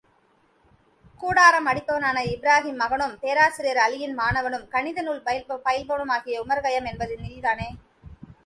கூடாரம் அடிப்பவனான இப்ராகீம் மகனும் பேராசிரியர் அலியின் மாணவனும் கணித நூல் பயில்பவனும் ஆகிய உமார்கயாம் என்பது நீதானே!